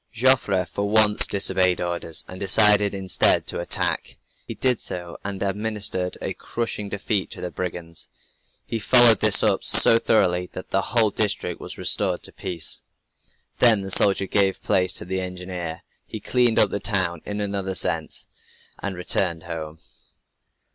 Joffre for once disobeyed orders, and decided, instead, to attack. He did so, and administered a crushing defeat to the brigands. He followed this up so thoroughly, that the whole district was restored to peace. Then the soldier gave place to the engineer. He cleaned up the town (in another sense) and returned home.